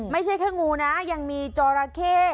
ไม่ใช่แค่งูนะยังมีจอราเข้